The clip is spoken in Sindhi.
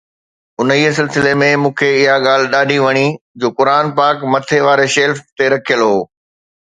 انهيءَ سلسلي ۾ مون کي اها ڳالهه ڏاڍي وڻي جو قرآن پاڪ مٿي واري شيلف تي رکيل هو